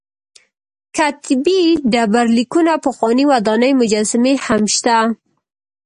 کتیبې ډبر لیکونه پخوانۍ ودانۍ مجسمې هم شته.